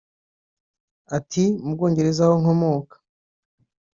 Ati “Mu Bwongeraza aho nkomoka